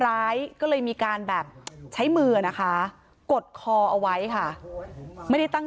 ร้ายก็เลยมีการแบบใช้มือนะคะกดคอเอาไว้ค่ะไม่ได้ตั้ง